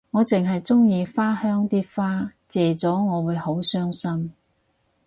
我淨係鍾意花香啲花謝咗我會好傷心